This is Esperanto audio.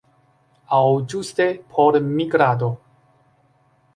Aŭ ĝuste por migrado.